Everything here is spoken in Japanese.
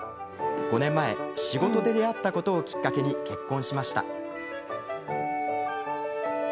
５年前、仕事で出会ったことをきっかけに結婚しました。